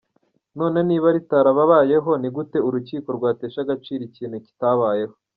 None niba rutababayeho ni gute urukiko rwatesha agaciro ikintu kitabayeho?